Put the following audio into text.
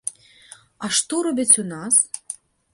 А што робяць у нас?